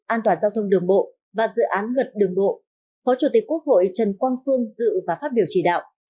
an toàn giao thông đường bộ và dự án luật đường bộ phó chủ tịch quốc hội trần quang phương dự và phát biểu chỉ đạo